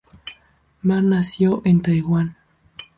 Ma nació en Taiwán.